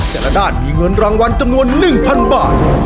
แต่ละด้านมีเงินรางวัลจำนวน๑๐๐บาท